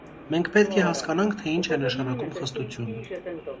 Մենք պետք է հասկանանք, թե ինչ է նշանակում խստություն։